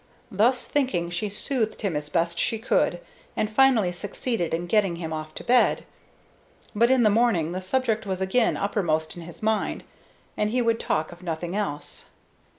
Thus thinking, she soothed him as best she could, and finally succeeded in getting him off to bed; but in the morning the subject was again uppermost in his mind, and he would talk of nothing else.